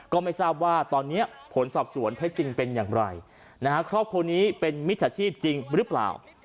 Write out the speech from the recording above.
ก็ไม่ทราบว่าตอนนี้ผลสอบสวนเท็จจริงเป็นอย่างไรนะฮะครอบครัวนี้เป็นมิจฉาชีพจริงหรือเปล่า